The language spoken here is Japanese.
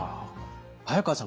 早川さん